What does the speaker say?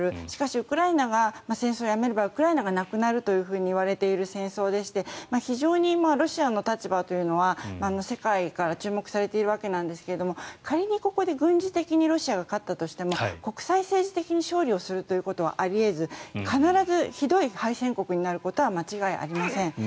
しかしウクライナが戦争をやめればウクライナがなくなるといわれている戦争でして非常にロシアの立場というのは世界から注目されているわけですが仮にここで軍事的にロシアが勝ったとしても国際政治的に勝利をすることはあり得ず必ずひどい敗戦国になることは間違いありません。